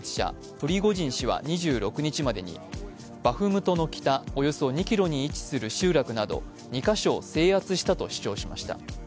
プリゴジン氏は２６日までにバフムトの北およそ２ｋｍに位置する集落など２か所を制圧したと主張しました。